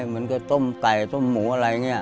เหมือนกับต้มไก่ต้มหมูอะไรอย่างนี้